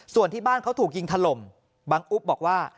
ส่วนที่บ้านเขาถูกยิงถล่มบังอุ๊บบอกว่า